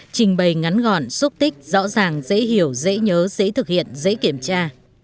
trình bày ngắn gọn xúc tích rõ ràng dễ hiểu dễ nhớ dễ thực hiện dễ kiểm tra